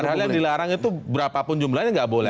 padahal yang dilarang itu berapapun jumlahnya nggak boleh